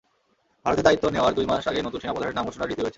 ভারতে দায়িত্ব নেওয়ার দুই মাস আগে নতুন সেনাপ্রধানের নাম ঘোষণার রীতি রয়েছে।